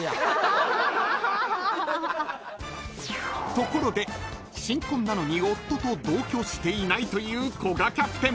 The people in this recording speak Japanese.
［ところで新婚なのに夫と同居してないという古賀キャプテン］